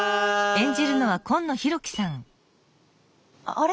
あれ？